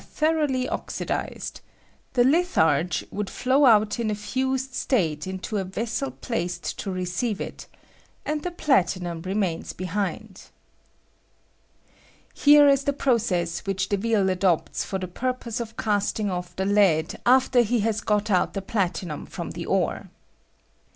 thoroughly oxidized; the litharge would flow ' out in a fused state into a vessel placed to re ■ oeive it, and the platinum remains behind. Here is the process which Deville adopts for i J the purpose of casting off the lead after he has got out the platinum from the ore.